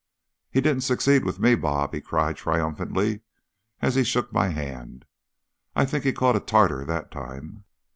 "He didn't succeed with me, Bob," he cried triumphantly, as he shook my hand. "I think he caught a Tartar that time."